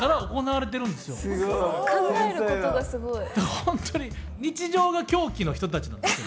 ホントに日常が狂気の人たちなんですよ